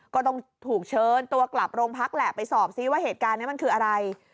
ก็ต้องถูกเชิญตัวกลับโรงพักแหละไปสอบซิว่าเหตุการณ์นี้มันคืออะไร